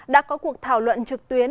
đã có cuộc thảo luận trực tuyến